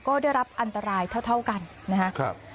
ก็ได้รับอันตรายเท่ากันนะครับ